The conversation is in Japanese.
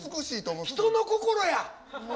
人の心や！